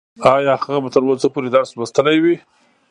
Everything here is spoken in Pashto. ايا هغه به تر اوسه پورې درس لوستلی وي؟